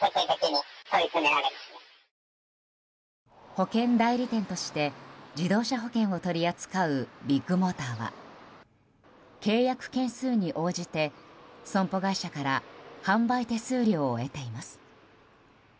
保険代理店として自動車保険を取り扱うビッグモーターは契約件数に応じて、損保会社から販売手数料を得ています。